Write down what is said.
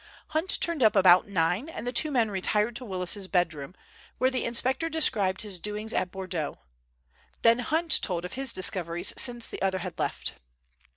Hunt turned up about nine, and the two men retired to Willis's bedroom, where the inspector described his doings at Bordeaux. Then Hunt told of his discoveries since the other had left.